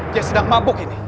dia sedang mabuk ini